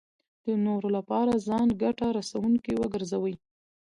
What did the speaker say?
د نورو لپاره ځان ګټه رسوونکی وګرځوي.